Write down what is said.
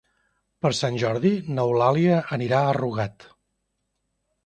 Per Sant Jordi n'Eulàlia anirà a Rugat.